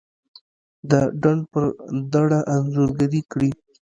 دډنډ پر دړه انځورګري کړي